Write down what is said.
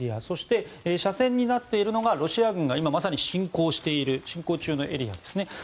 そして、斜線になっているのがロシア軍が今まさに侵攻中のエリアですね。